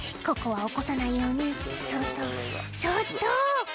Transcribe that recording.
「ここは起こさないようにそっとそっと」